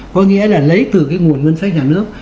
có nghĩa là lấy từ cái nguồn ngân sách nhà nước